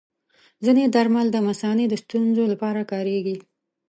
ځینې درمل د مثانې د ستونزو لپاره کارېږي.